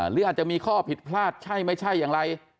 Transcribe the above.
หรืออาจจะมีข้อผิดพลาดใช่ไม่ใช่อย่างไร